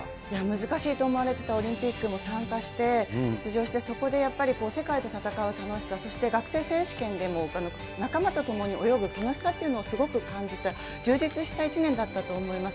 難しいと思われてたオリンピックも参加して、出場して、そこでやっぱり世界と戦う楽しさ、そして学生選手権でも仲間と共に泳ぐ楽しさっていうのをすごく感じた、充実した１年だったと思います。